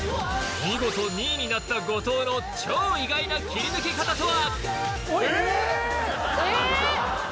見事２位になった後藤の超意外な切り抜け方とは？